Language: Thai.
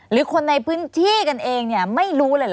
หรือคนในพื้นที่กันเองเนี่ยไม่รู้เลยเหรอ